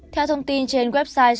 theo thông tin trên website